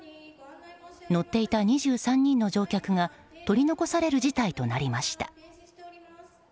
乗っていた２３人の乗客が取り残される事態となりました。